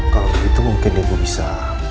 kalau begitu mungkin ibu bisa